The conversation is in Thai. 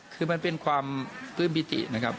คือมันเป็นความปลื้มปิตินะครับ